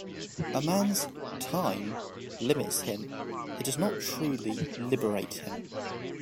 A man's "time" limits him, it does not truly liberate him.